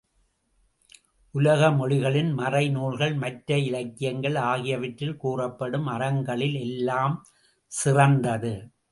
உலக மொழிகளின் மறைநூல்கள், மற்ற இலக்கியங்கள் ஆகியவற்றில் கூறப்படும் அறங்களில் எல்லாம் சிறந்தது.